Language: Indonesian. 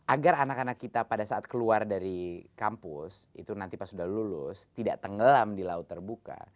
agar anak anak kita pada saat keluar dari kampus itu nanti pas sudah lulus tidak tenggelam di laut terbuka